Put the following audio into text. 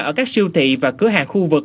ở các siêu thị và cửa hàng khu vực